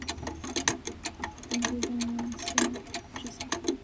官至丹阳县知县。